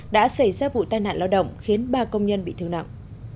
đã xảy ra vụ tai nạn lao động khiến ba công nhân bị thương nặng